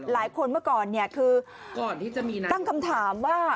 หลายคนเมื่อก่อนคือตั้งคำถามว่า